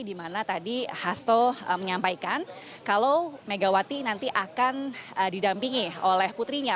di mana tadi hasto menyampaikan kalau megawati nanti akan didampingi oleh putrinya